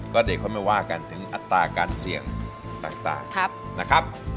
ก็เด็กเขาไม่ว่ากันถึงอัตราการเสี่ยงต่างนะครับ